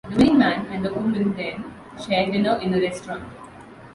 The winning man and the woman then share dinner in a restaurant.